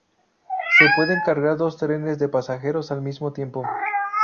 Se pueden cargar dos trenes de pasajeros al mismo tiempo.